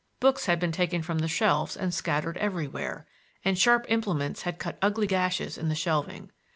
Books had been taken from the shelves and scattered everywhere, and sharp implements had cut ugly gashes in the shelving.